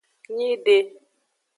Nyide.